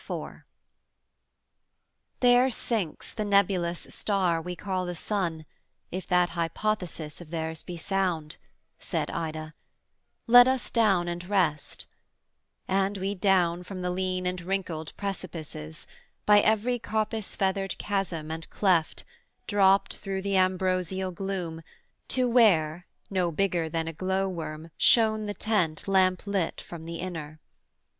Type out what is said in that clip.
IV 'There sinks the nebulous star we call the Sun, If that hypothesis of theirs be sound' Said Ida; 'let us down and rest;' and we Down from the lean and wrinkled precipices, By every coppice feathered chasm and cleft, Dropt through the ambrosial gloom to where below No bigger than a glow worm shone the tent Lamp lit from the inner.